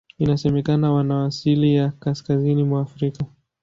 Inasemekana wana asili ya Kaskazini mwa Afrika.